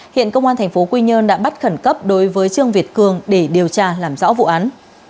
hiện công an tp quy nhơn đã bắt khẩn cấp đối với trương việt cường để điều tra làm rõ vụ án